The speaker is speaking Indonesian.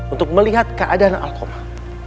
untuk melihat keadaan alkomah